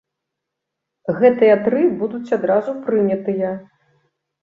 Гэтыя тры будуць адразу прынятыя.